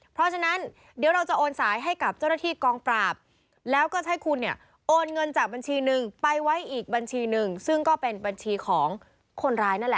เพราะฉะนั้นเดี๋ยวเราจะโอนสายให้กับเจ้าหน้าที่กองปราบแล้วก็ให้คุณเนี่ยโอนเงินจากบัญชีหนึ่งไปไว้อีกบัญชีหนึ่งซึ่งก็เป็นบัญชีของคนร้ายนั่นแหละ